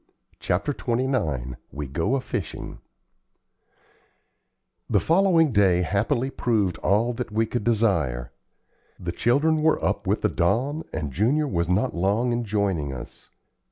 CHAPTER XXIX WE GO A FISHING The following day, happily, proved all that we could desire. The children were up with the dawn, and Junior was not long in joining us.